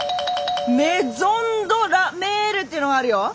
「メゾン・ド・ラ・メール」っていうのがあるよ。